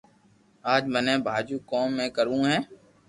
اج مني ڀآجو ڪوم بي ڪروو ھي